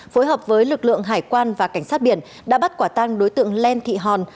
phối hợp với lực lượng hải quan và cảnh sát biển đã bắt quả tăng đối tượng len thị hòn